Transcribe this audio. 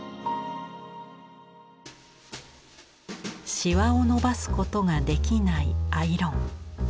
しわを伸ばすことができないアイロン。